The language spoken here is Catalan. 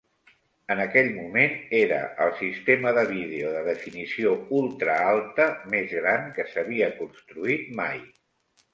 En aquell moment, era el sistema de vídeo de definició ultraalta més gran que s'havia construït mai.